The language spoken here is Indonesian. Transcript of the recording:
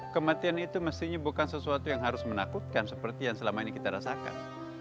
kematian itu mestinya bukan sesuatu yang harus menakutkan seperti yang selama ini kita rasakan